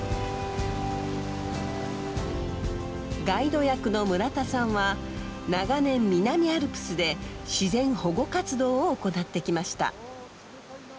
ガイド役の村田さんは長年南アルプスで自然保護活動を行ってきました。